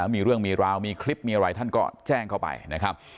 มีเรื่องมีราวมีคลิปมีอะไรท่านก็แจ้งเข้าไปนะครับ